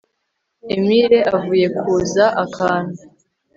Emire avuye kuza akantu